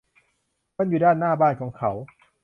มันอยู่ด้านหน้าบ้านของเขา